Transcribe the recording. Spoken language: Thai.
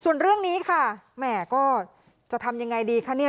ส่วนเรื่องนี้ค่ะแหมก็จะทำยังไงดีคะเนี่ย